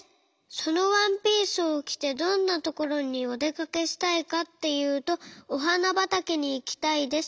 そのワンピースをきてどんなところにおでかけしたいかっていうとおはなばたけにいきたいです。